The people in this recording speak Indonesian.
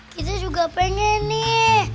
kita juga pengen nih